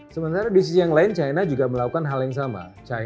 sementara di sisi yang lain china juga melakukan hal yang sama